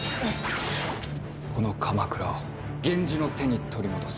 この鎌倉を源氏の手に取り戻す。